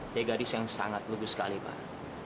dia gadis yang sangat lulus sekali pak